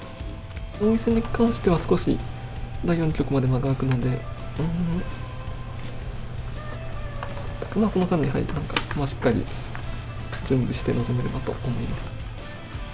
王位戦に関しては少し、第４局まで間が空くので、その間にしっかり準備して臨めればと思います。